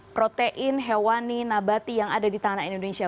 protein hewani nabati yang ada di tanah indonesia